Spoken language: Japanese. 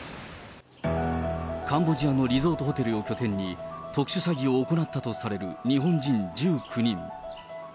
カンボジアのリゾートホテルを拠点に特殊詐欺を行ったとされる日本人１９人。